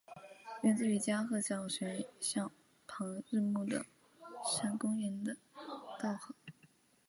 源自于加贺小学校旁日暮里山公园的稻荷。